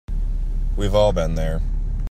We've all been there.